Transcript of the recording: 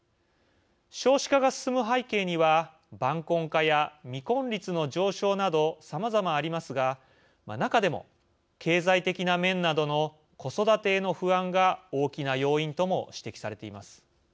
少子化が進む背景には晩婚化や未婚率の上昇などさまざまありますが中でも経済的な面などの子育てへの不安が大きな要因とも指摘されています。